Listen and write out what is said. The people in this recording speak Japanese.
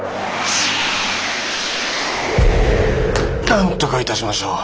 なんとかいたしましょう。